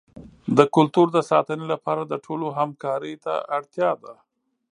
د کلتور د ساتنې لپاره د ټولو همکارۍ ته اړتیا ده.